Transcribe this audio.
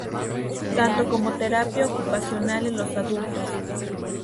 Tanto como terapia ocupacional en los adultos.